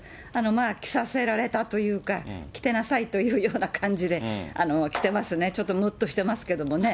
着させられたというか、着てなさいというような感じで、着てますね、ちょっとむっとしてますけどもね。